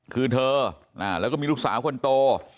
คือเธอแล้วก็มีลูกสาวคนโต